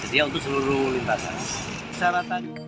jadi untuk seluruh lintasan